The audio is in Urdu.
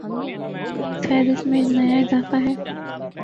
یہ اس فہرست میں نیا اضافہ ہے۔